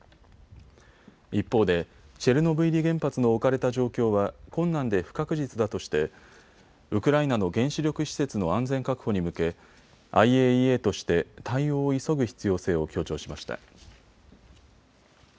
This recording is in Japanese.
一方でチェルノブイリ原発の置かれた状況は困難で不確実だとしてウクライナの原子力施設の安全確保に向けＩＡＥＡとして対応を急ぐ必要性を強調しました。